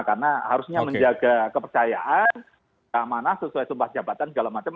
karena harusnya menjaga kepercayaan keamanan sesuai sumpah jabatan segala macam